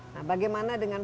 nah bagaimana dengan